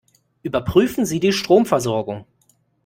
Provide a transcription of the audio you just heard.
Überprüfen Sie die Stromversorgung.